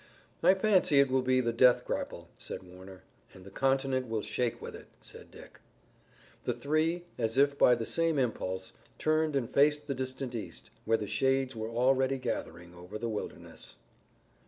"I fancy it will be the death grapple," said Warner. "And the continent will shake with it," said Dick. The three, as if by the same impulse, turned and faced the distant East, where the shades were already gathering over the Wilderness.